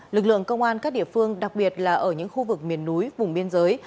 lực lượng công an các địa phương đặc biệt là ở những khu vực miền núi vùng biên giới